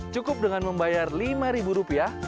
cukup dengan membayar lima rupiah